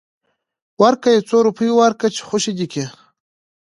ورکه يو څو روپۍ ورکه چې خوشې دې کي.